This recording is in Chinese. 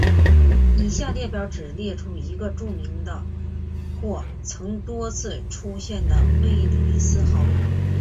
以下列表只列出一些著名的或曾多次出现的卫斯理好友。